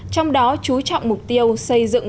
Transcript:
trong đó chú trọng mục tiêu xây dựng bộ trường